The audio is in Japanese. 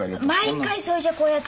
毎回それじゃこうやって。